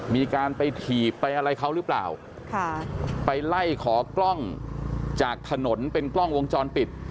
มีการไปถีบไปอะไรเขาหรือเปล่าค่ะไปไล่ขอกล้องจากถนนเป็นกล้องวงจรปิด